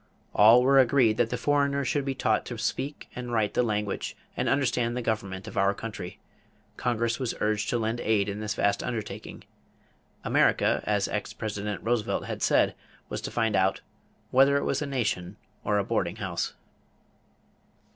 All were agreed that the foreigner should be taught to speak and write the language and understand the government of our country. Congress was urged to lend aid in this vast undertaking. America, as ex President Roosevelt had said, was to find out "whether it was a nation or a boarding house."